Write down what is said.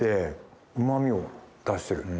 うま味を出してる。